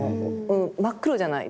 真っ黒じゃない。